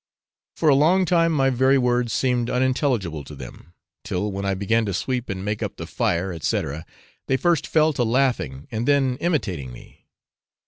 For a long time my very words seemed unintelligible to them, till when I began to sweep and make up the fire, &c., they first fell to laughing, and then imitating me.